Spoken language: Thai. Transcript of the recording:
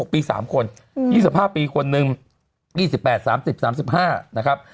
๖ปี๓คน๒๕ปีคนนึง๒๘๓๐๓๕นะครับ